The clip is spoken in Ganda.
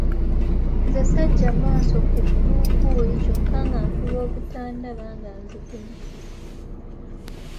Nze saggya maaso ku Bbuukuuli kyokka nga nfuba obutandaba nga zinkunya.